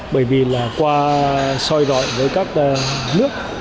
bởi vì là qua soi rọi với các nước